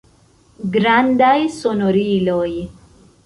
Grandaj sonoriloj.